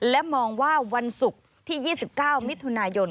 และมองว่าวันศุกร์ที่๒๙มิถุนายน